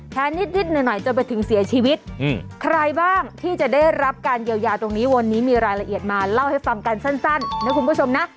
นิดหน่อยจนไปถึงเสียชีวิตใครบ้างที่จะได้รับการเยียวยาตรงนี้วันนี้มีรายละเอียดมาเล่าให้ฟังกันสั้นนะคุณผู้ชมนะ